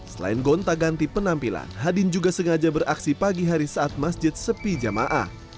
selain gonta ganti penampilan hadin juga sengaja beraksi pagi hari saat masjid sepi jamaah